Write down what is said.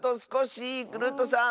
クルットさん